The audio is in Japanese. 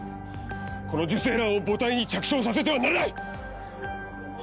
この受精卵を母体に着床させてはならない！